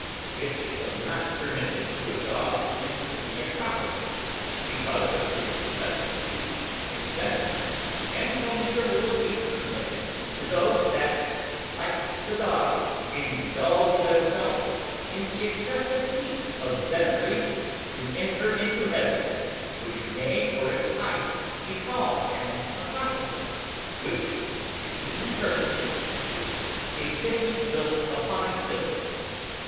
It was not permitted to a Dog to enter into the Acropolis, because of his excessive heat in Venery; and so neither will it be permitted to those that (like the Dog) indulge themselves in the excessive heat of Venery, to enter into Heaven, which may for its heighth be called an Acropolis, which (being interpreted) is, a City built upon a Hill.